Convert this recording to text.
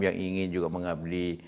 yang ingin juga mengambil